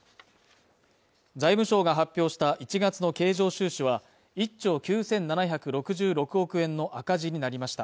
財務省が発表した１月の経常収支は１兆９７６６億円の赤字になりました。